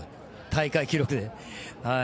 大会記録で。